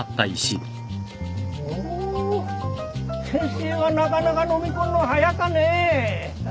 お先生はなかなかのみ込んの早かね。